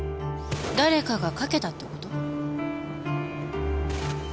誰かがかけたってこと？